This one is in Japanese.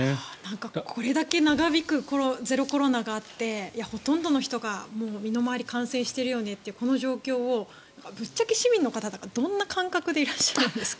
これだけ長引くゼロコロナがあってほとんどの人がもう身の回り感染しているよねという、この状況をぶっちゃけ市民の方々がどんな感覚でいらっしゃるんですか？